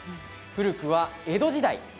古くは江戸時代